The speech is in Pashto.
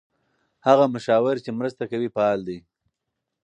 هغه مشاور چې مرسته کوي فعال دی.